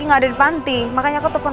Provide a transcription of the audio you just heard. ini enggak apa apa